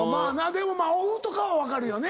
でもオフとかは分かるよね。